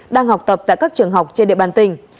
đang học tập tại các trường học trên địa bàn tỉnh